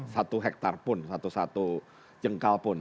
satu hektar pun satu satu jengkal pun